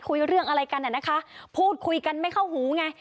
คุยเรื่องอะไรกันน่ะนะคะพูดคุยกันไม่เข้าหูไง